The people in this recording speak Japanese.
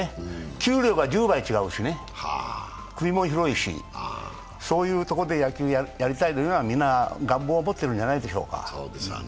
給料が１０倍違うしね、国も広いしそういうところで野球をやりたいというのはみんな願望を持ってるんじゃないでしょうか。